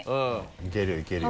いけるよいけるよ。